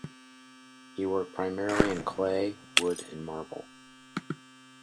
He worked primarily in clay, wood and marble.